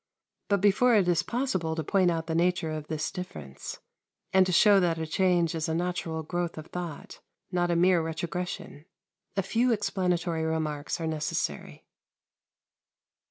But before it is possible to point out the nature of this difference, and to show that the change is a natural growth of thought, not a mere retrogression, a few explanatory remarks are necessary.